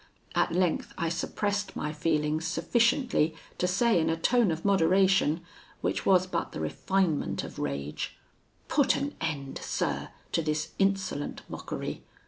At length, I suppressed my feelings sufficiently to say in a tone of moderation, which was but the refinement of rage: 'Put an end, sir, to this insolent mockery!